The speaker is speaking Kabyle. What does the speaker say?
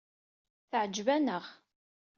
Teɛjeb-aneɣ.